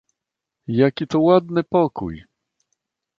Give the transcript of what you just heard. "Jaki to ładny pokój!"